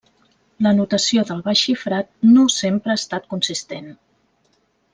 La notació del baix xifrat no sempre ha estat consistent.